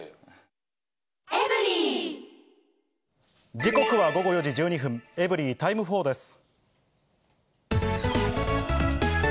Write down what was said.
時刻は午後４時１２分、エブリィタイム４です。